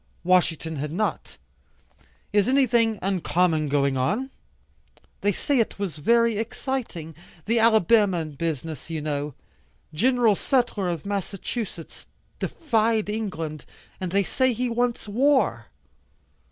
Washington had not. "Is anything uncommon going on?" "They say it was very exciting. The Alabama business you know. Gen. Sutler, of Massachusetts, defied England, and they say he wants war."